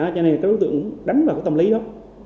cho nên các đối tượng đánh vào tâm lý đó